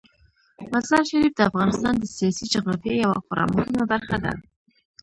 مزارشریف د افغانستان د سیاسي جغرافیې یوه خورا مهمه برخه ده.